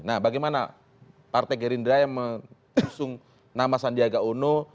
nah bagaimana partai gerindra yang mengusung nama sandiaga uno